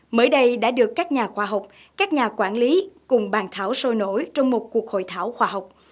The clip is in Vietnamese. mới đây đã được các nhà khoa học các nhà quản lý cùng bàn thảo sôi nổi trong một cuộc hội thảo khoa học